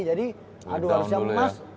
jadi aduh harusnya emas